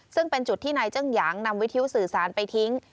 ซึ่งเป็นจุดที่นายเจิ้งหยางนำวิทยุสื่อสารไปทิ้ง